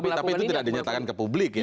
tapi itu tidak dinyatakan ke publik ya